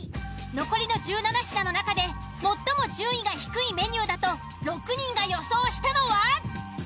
残りの１７品の中で最も順位が低いメニューだと６人が予想したのは？